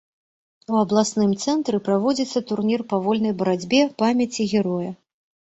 У абласным цэнтры праводзіцца турнір па вольнай барацьбе памяці героя.